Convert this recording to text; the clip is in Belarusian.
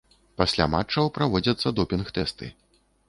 Пасля матчаў праводзяцца допінг-тэсты.